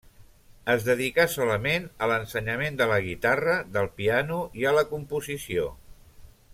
Es dedicà solament a l'ensenyament de la guitarra, del piano i a la composició.